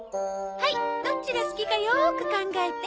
はいどっちが好きかよーく考えて。